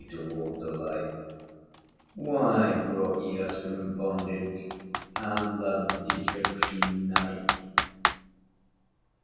toward the light: "Why brought ye us from bondage, Our loved Egyptian night?"